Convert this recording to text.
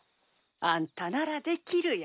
あんたならできるよ。